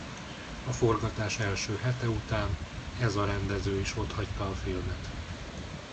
A forgatás első hete után ez a rendező is otthagyta a filmet.